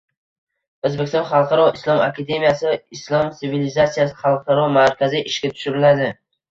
O‘zbekiston xalqaro islom akademiyasi, Islom sivilizatsiyasi xalqaro markazi ishga tushiriladi.